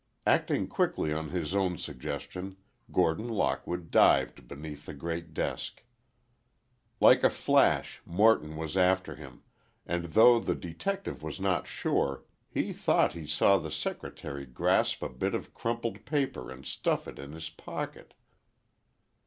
Acting quickly on his own suggestion, Gordon Lockwood dived beneath the great desk. Like a flash, Morton was after him, and though the detective was not sure, he thought he saw the secretary grasp a bit of crumpled paper and stuff it in his pocket.